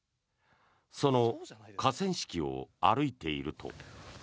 その河川敷を歩いていると。